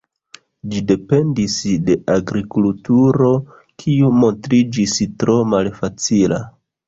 Ĝi dependis de agrikulturo, kiu montriĝis tro malfacila.